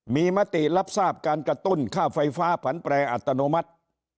มีมติรับทราบการกระตุ้นค่าไฟฟ้าผันแปรอัตโนมัติ